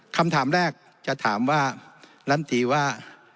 คำถามแรกจะถามว่าลำตีว่า